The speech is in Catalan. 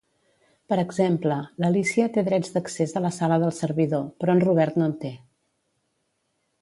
Per exemple, l'Alícia té drets d'accés a la sala del servidor, però en Robert no en té.